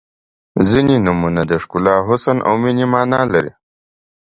• ځینې نومونه د ښکلا، حسن او مینې معنا لري.